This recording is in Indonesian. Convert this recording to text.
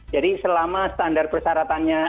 jadi selama standar persyaratannya